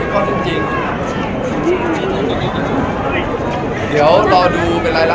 มุมการก็แจ้งแล้วเข้ากลับมานะครับ